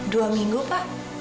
dua minggu pak